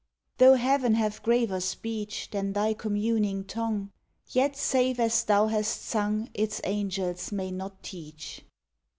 Tho Heaven have graver speech Than thy communing tongue, Yet save as thou hast sung Its angels may not teach.